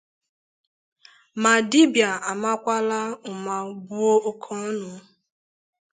ma dibịà amakwala ụma bụọ oke ọnụ.